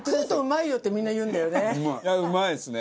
いやうまいですね。